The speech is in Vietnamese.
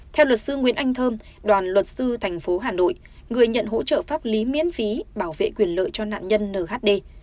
theo luật sư nguyễn anh thơm đoàn luật sư thành phố hà nội người nhận hỗ trợ pháp lý miễn phí bảo vệ quyền lợi cho nạn nhân nhd